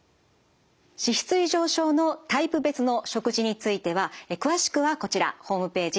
脂質異常症のタイプ別の食事については詳しくはこちらホームページ